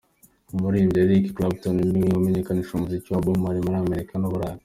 Umuririmbyi Eric Clapton niwe wamenyekanishije umuziki wa Bob Marley muri Amerika n’Uburayi.